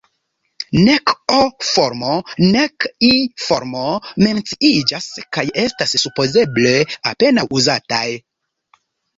Nek O-formo, nek I-formo menciiĝas, kaj estas supozeble apenaŭ uzataj.